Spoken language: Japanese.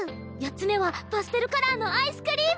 ４つ目はパステルカラーのアイスクリーム。